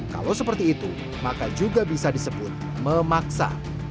kalau seperti itu maka juga bisa disebut memaksa